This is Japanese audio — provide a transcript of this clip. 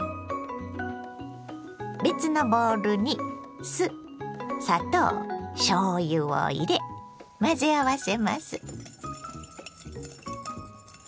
別のボウルに酢砂糖しょうゆを入れ混ぜ合わせます。